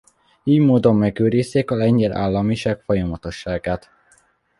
Ily módon megőrizték a lengyel államiság folyamatosságát.